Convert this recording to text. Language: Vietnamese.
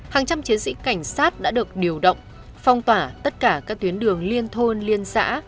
hàng trăm chiến sĩ cảnh sát đã được điều động phong tỏa tất cả các tuyến đường liên thôn liên xã